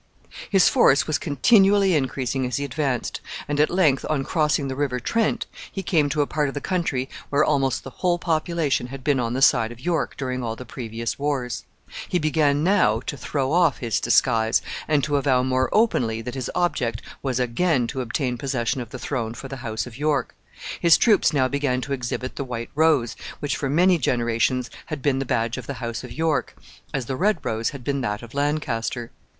His force was continually increasing as he advanced, and at length, on crossing the River Trent, he came to a part of the country where almost the whole population had been on the side of York during all the previous wars. He began now to throw off his disguise, and to avow more openly that his object was again to obtain possession of the throne for the house of York. His troops now began to exhibit the white rose, which for many generations had been the badge of the house of York, as the red rose had been that of Lancaster.